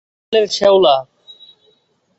এই বালের শেওলা!